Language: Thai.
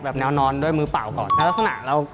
แนวนอนด้วยมือเปล่าก่อนแล้วลักษณะเรา